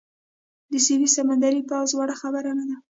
د سویس سمندري پوځ وړه خبره نه ده.